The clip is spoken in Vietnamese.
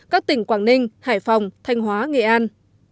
các tỉnh quảng ninh hải phòng thanh hóa nghệ an